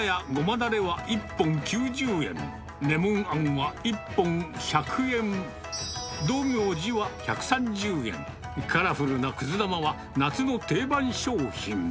だれは１本９０円、レモンあんは１本１００円、道明寺は１３０円、カラフルなくず玉は夏の定番商品。